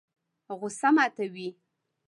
غوسه ماتوي.